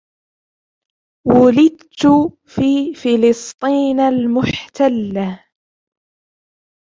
ولدت في "فلسطين المحتله"